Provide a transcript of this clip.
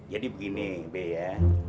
jadi begini b ya